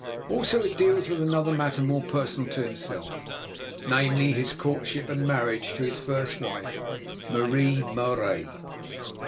Also it deals with another matter more personal to himself, namely, his courtship of and marriage to his first wife, Marie Marais.